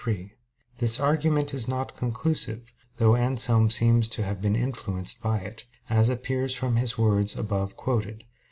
3: This argument is not conclusive, though Anselm seems to have been influenced by it, as appears from his words above quoted.